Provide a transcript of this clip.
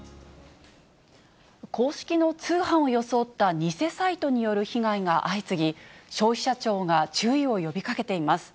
公式の通販を装った偽サイトによる被害が相次ぎ、消費者庁が注意を呼びかけています。